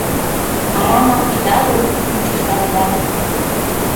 Арамак ида лук, мучыштареда.